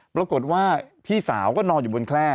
ปรากฏว่าพี่สาวก็นอนอยู่บนแคล่